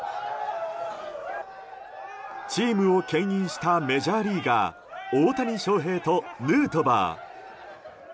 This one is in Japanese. チームをけん引したメジャーリーガー大谷翔平とヌートバー。